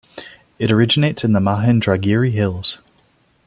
It originates in the Mahendragiri hills.